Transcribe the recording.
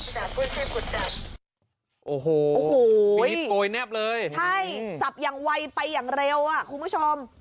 โอ้โหโปรยแน็บเลยใช่จับอย่างวัยไปอย่างเร็วอ่ะคุณผู้ชม